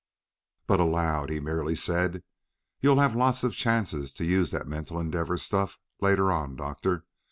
But aloud he merely said: "You'll have lots of chances to use that mental endeavor stuff later on, Doctor.